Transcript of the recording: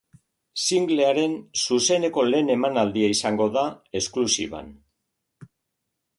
Singlearen zuzeneko lehen emanaldia izango da esklusiban.